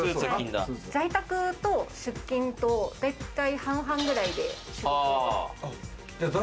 在宅と出勤と、だいたい半々ぐらいで。